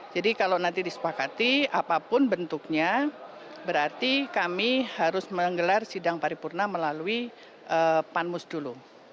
jadi kalau nanti disepakati apapun bentuknya berarti kami harus menggelar sidang paripurna melalui panmus dulu